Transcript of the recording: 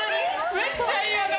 めっちゃ嫌だ！